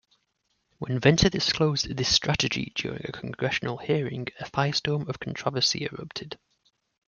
When Venter disclosed this strategy during a Congressional hearing, a firestorm of controversy erupted.